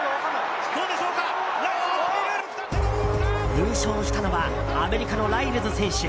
優勝したのはアメリカのライルズ選手。